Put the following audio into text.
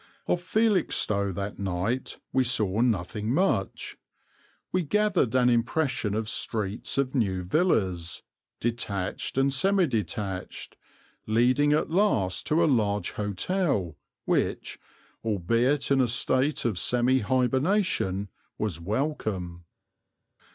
Of Felixstowe that night we saw nothing much. We gathered an impression of streets of new villas, detached and semi detached, leading at last to a large hotel which, albeit in a state of semi hibernation, was welcome.